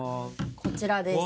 こちらです。